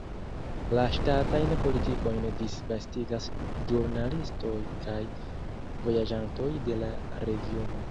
La ŝtatajn politikojn disvastigas ĵurnalistoj kaj vojaĝantoj de la regiono.